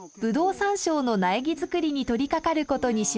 山椒の苗木作りに取りかかることにしました。